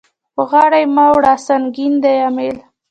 په غاړه يې مه وړه سنګين دی امېل.